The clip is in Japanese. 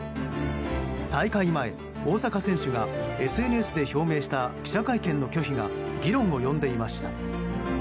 大会前、大坂選手がＳＮＳで表明した記者会見の拒否が議論を呼んでいました。